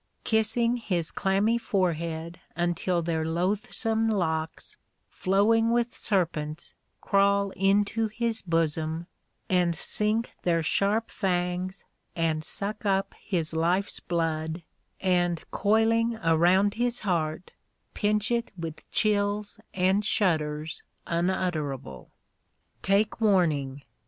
kissing his clammy forehead until their loathsome locks, flowing with serpents, crawl into his bosom and sink their sharp fangs and suck up his life's blood, and coiling around his heart pinch it with chills and shudders unutterable. Take warning!